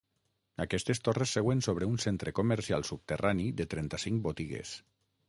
Aquestes torres seuen sobre un centre comercial subterrani de trenta-cinc botigues.